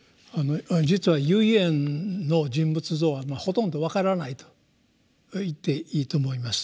実は唯円の人物像はほとんど分からないと言っていいと思います。